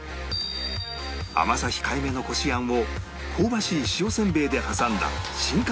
甘さ控えめのこしあんを香ばしい塩せんべいで挟んだ